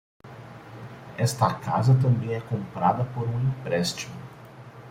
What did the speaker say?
Esta casa também é comprada por um empréstimo.